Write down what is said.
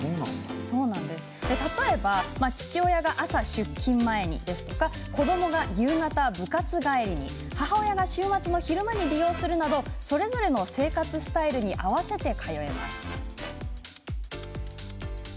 例えば、父親が朝出勤前に子どもが夕方部活帰りに母親が週末の昼間に利用するなどそれぞれの生活スタイルに合わせて通えます。